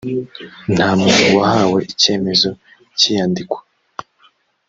nta muntu wahawe icyemezo cy’iyandikwa